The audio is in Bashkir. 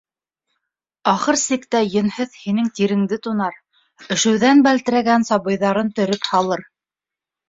Ахыр сиктә Йөнһөҙ һинең тиреңде тунар — өшөүҙән бәлтерәгән сабыйҙарын төрөп һалыр.